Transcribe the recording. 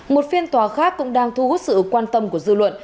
một phiên tòa khác cũng đang thu hút sự quan tâm của dư luận